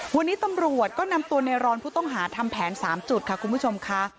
วันนี้ตำรวจก็นำตัวในรอนผู้ต้องหาทำแผน๓จุดค่ะคุณผู้ชมค่ะ